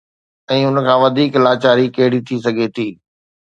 ۽ ان کان وڌيڪ لاچاري ڪهڙي ٿي سگهي ٿي؟